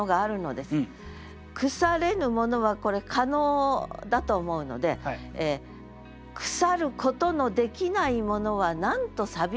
「腐れぬもの」はこれ可能だと思うので腐ることのできないものはなんと寂しいことかと。